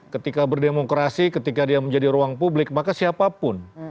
ketika berdemokrasi ketika dia menjadi ruang publik maka siapapun